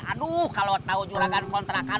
aduh kalau tahu juragan kontrakan